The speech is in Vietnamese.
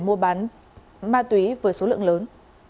mua bán ma túy với số lượng lớn